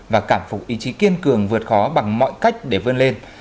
và cảm phục ý chí kiên cường vượt khó bằng mọi cách để vươn lên